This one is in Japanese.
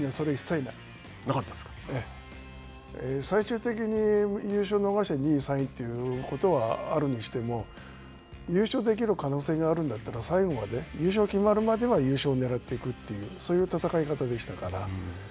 最終的に優勝を逃して、２位、３位ということはあるにしても、優勝できる可能性があるんだったら、最後まで、優勝決まるまでは優勝をねらっていくという、そういう戦い方でしたから。